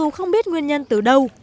cũng không biết nguyên nhân từ đâu